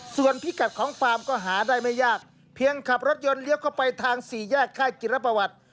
ส่วนพิกัดของฟาร์มก็หาได้ไม่ยากเพียงขับรถยนต์เลี้ยวเข้าไปทางสี่แยกค่ายกิรประวัติ